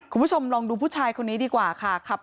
คุณผู้ชมลองดูผู้ชายคนนี้ดีกว่าค่ะ